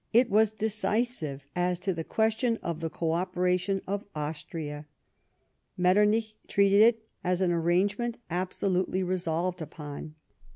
It was decisive as to the question of the co operation of Austria. Metternich treated it as an arrangement absolutely resolved upon.